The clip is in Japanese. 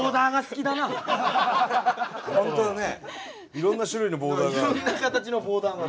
いろんな種類のボーダーが。